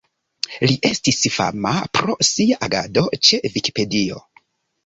Li estis fama pro sia agado ĉe Vikipedio.